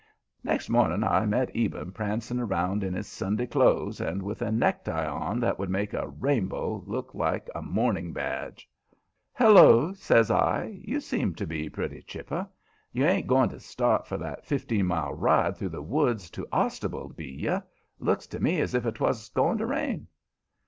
Next morning I met Eben prancing around in his Sunday clothes and with a necktie on that would make a rainbow look like a mourning badge. "Hello!" says I. "You seem to be pretty chipper. You ain't going to start for that fifteen mile ride through the woods to Ostable, be you? Looks to me as if 'twas going to rain."